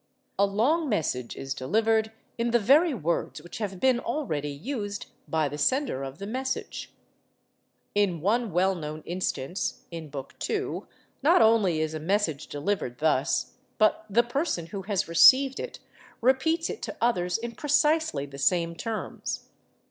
A long message is delivered in the very words which have been already used by the sender of the message. In one well known instance (in Book II.), not only is a message delivered thus, but the person who has received it repeats it to others in precisely the same terms.